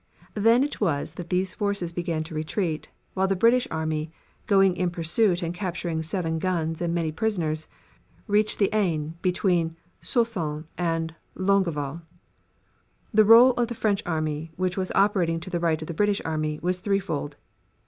Then it was that these forces began to retreat, while the British army, going in pursuit and capturing seven guns and many prisoners, reached the Aisne between Soissons and Longueval. The role of the French army, which was operating to the right of the British army, was threefold.